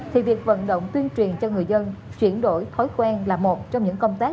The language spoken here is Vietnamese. thì việc vận động tuyên truyền cho người dân chuyển đổi thói quen là một trong những công tác